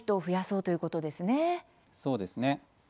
そうですね。